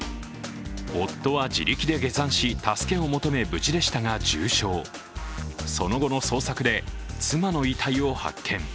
夫は自力で下山し助けを求め無事でしたが重傷その後の捜索で妻の遺体を発見。